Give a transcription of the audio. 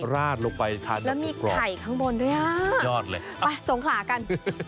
ราดลงไปทานแล้วมีไข่ข้างบนด้วยอ่ะสุดยอดเลยไปสงขลากัน